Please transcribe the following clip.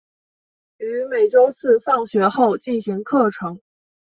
于每周四放学后进行课程。